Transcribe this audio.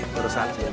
keurusan saya nanti